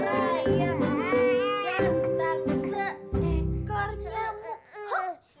ganteng seekor nyamuk